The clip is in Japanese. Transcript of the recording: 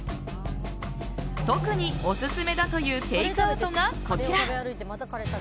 特にオススメだというテイクアウトがこちら。